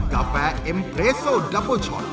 กาแฟเอ็มเพรโซดับเปอร์ชอต